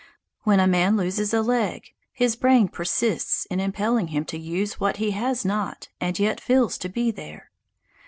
When a man loses a leg, his brain persists in impelling him to use what he has not and yet feels to be there.